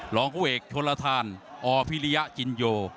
หลองหัวเอกโชลธานออร์ฟิริยะจินโย